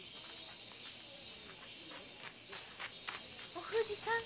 お藤さん！